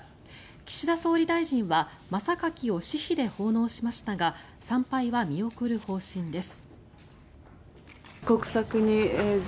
岸田総理大臣は真榊を私費で奉納しましたが参拝は見送る方針です。